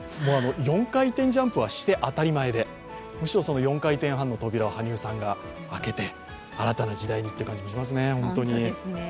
４回転ジャンプは、して当たり前で４回転半の扉を羽生さんが開けて、新たな時代にという感じしますね、ホントに。